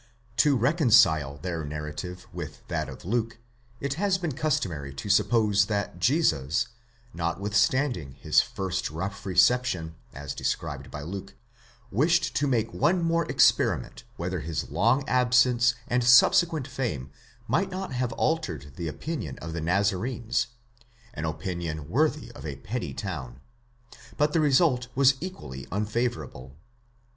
To reconcile their narrative with that of Luke, it has been custom ary to suppose that Jesus, notwithstanding his first rough reception, as de scribed by Luke, wished to make one more experiment whether his long absence and subsequent fame might not have altered the opinion of the Naza renes—an opinion worthy of a petty town: butthe result was equally un favourable.